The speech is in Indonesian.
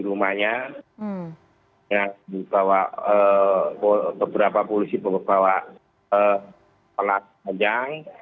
rumahnya yang dibawa beberapa polisi bawa bawa pelat panjang